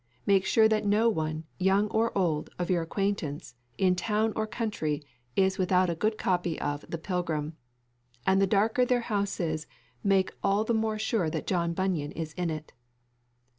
Make sure that no one, old or young, of your acquaintance, in town or country, is without a good copy of The Pilgrim. And the darker their house is, make all the more sure that John Bunyan is in it.